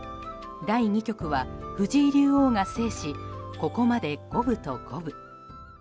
第２局は藤井竜王が制しここまで五分と五分。